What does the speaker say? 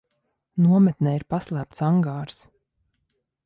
Nometnē ir paslēpts angārs.